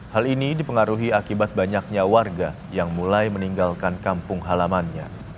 hal ini dipengaruhi akibat banyaknya warga yang mulai meninggalkan kampung halamannya